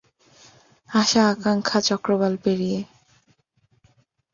আশা আকাংখা চক্রবাল পেরিয়ে।